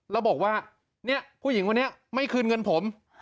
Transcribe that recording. แล้วบอกว่าเนี่ยผู้หญิงคนนี้ไม่คืนเงินผม